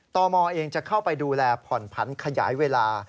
ตมเองจะเข้าไปดูแลผ่อนผันขยายเวลา